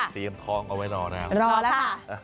เตรียมท้องเอาไว้รอแล้วก็รอละฮะ